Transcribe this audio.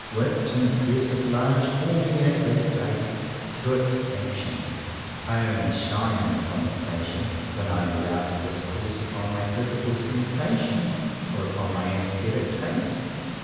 Wit and persi flage bore me, as they say, "to extinction." 161 CONFESSIONS OF TWO BROTHERS I only "shine" in conversation when I am allowed to discourse upon my physical sen sations or upon my aesthetic tastes.